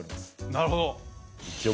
なるほど！